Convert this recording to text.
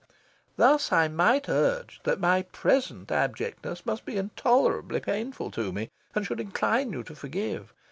Thus, I might urge that my present abjectness must be intolerably painful to me, and should incline you to forgive.